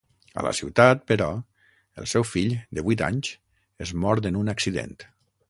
A la ciutat, però, el seu fill, de vuit anys, és mort en un accident.